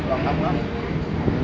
xe ở nguyên số xe